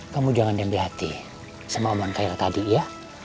kamu jangan dembe hati sama amon kailah tadi ya